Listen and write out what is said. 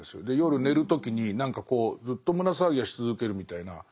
で夜寝る時に何かこうずっと胸騒ぎがし続けるみたいな。